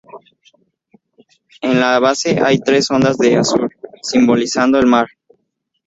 En la base hay tres ondas de azur simbolizando el mar.